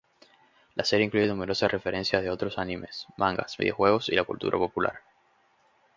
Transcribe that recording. La serie incluye numerosas referencias de otros animes, mangas, videojuegos y la cultura popular.